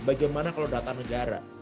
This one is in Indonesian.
bagaimana kalau data negara